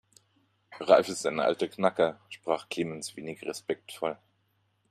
Ralf ist ein alter Knacker, sprach Clemens wenig respektvoll.